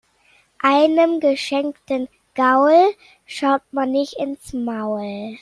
Einem geschenkten Gaul schaut man nicht ins Maul.